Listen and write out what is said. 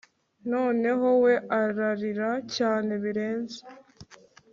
noneho we ararira cyane birenze